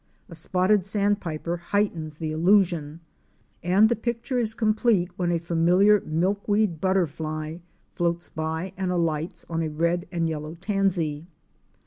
A Spotted Sandpiper" heightens the illusion, and the picture is complete when a familiar milk weed butterfly floats by and alights on a red and yellow tansy.